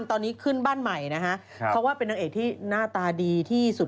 ตอนนี้ขึ้นบ้านใหม่นะฮะเพราะว่าเป็นนางเอกที่หน้าตาดีที่สุด